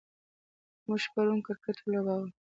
موږ پرون کرکټ ولوباوه.